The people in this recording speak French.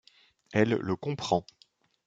Elle le comprend.